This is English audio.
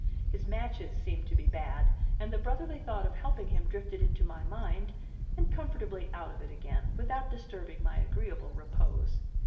His matches seemed to be bad; and the brotherly thought of helping him drifted into my mind and comfortably out of it again, without disturbing my agreeable repose.